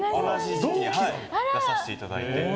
出させていただいて。